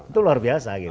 itu luar biasa gitu